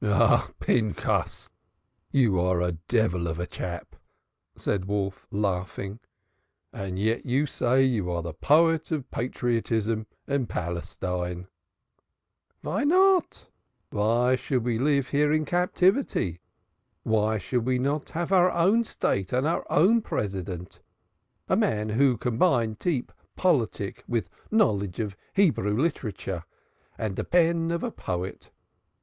"Ah, Pinchas, you are a devil of a chap," said Wolf, laughing. "And yet you say you are the poet of patriotism and Palestine." "Vy not? Vy should we lif here in captivity? Vy we shall not have our own state and our own President, a man who combine deep politic vid knowledge of Hebrew literature and de pen of a poet.